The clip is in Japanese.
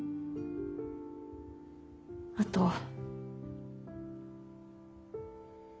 あと。